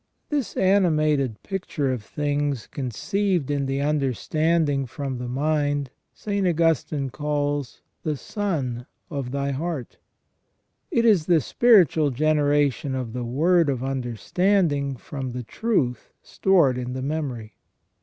This animated picture of things conceived in the understanding from the mind, St. Augustine calls "the son of thy heart ". It is 20 ON THE NATURE OF MAN. the spiritual generation of the word of understanding from the truth stored in the memory.